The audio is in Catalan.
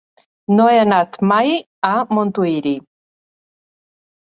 No he anat mai a Montuïri.